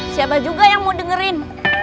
siapa juga yang mau dengerin